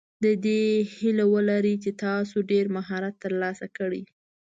د دې هیله ولره چې تاسو ډېر مهارت ترلاسه کړئ.